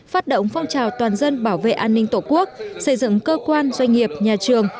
phát động phong trào toàn dân bảo vệ an ninh tổ quốc xây dựng cơ quan doanh nghiệp nhà trường